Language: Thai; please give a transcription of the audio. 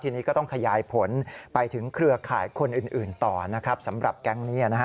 ทีนี้ก็ต้องขยายผลไปถึงเครือข่ายคนอื่นต่อนะครับสำหรับแก๊งนี้